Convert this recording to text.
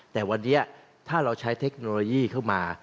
แต่วันนี้ถ้าเราใช้เทคโนโลยีเข้ามา